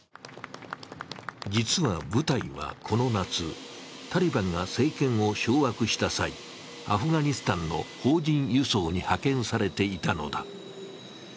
実は部隊はこの夏、タリバンが政権を掌握した際アフガニスタンの邦人輸送に派遣されていたのだ。